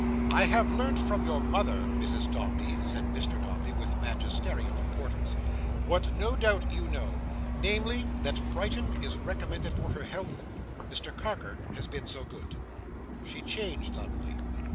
"I have learnt from your mother, Mrs Dombey," said Mr Dombey, with magisterial importance, "what no doubt you know, namely, that Brighton is recommended for her health. Mr Carker has been so good." She changed suddenly.